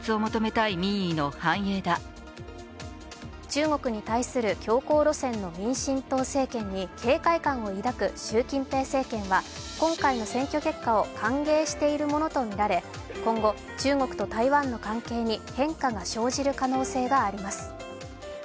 中国に対する強硬路線の民進党政権に警戒感を抱く習近平政権は今回の選挙結果を歓迎しているものとみられ、今後、中国と台湾の関係に変化が生じる可能性があります。